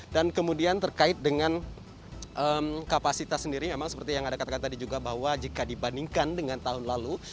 dan kemudian terkait dengan kapasitas sendiri memang seperti yang ada katakan tadi juga bahwa jika dibandingkan dengan tahun lalu